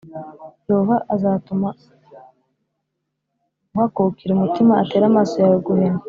Yehova azatuma uhakukira umutima, atere amaso yawe guhena,